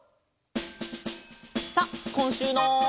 さあこんしゅうの。